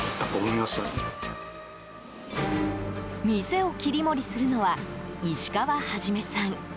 店を切り盛りするのは石川はじめさん。